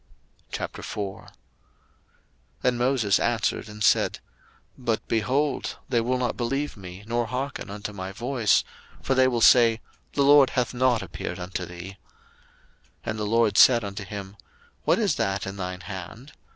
02:004:001 And Moses answered and said, But, behold, they will not believe me, nor hearken unto my voice: for they will say, The LORD hath not appeared unto thee. 02:004:002 And the LORD said unto him, What is that in thine hand?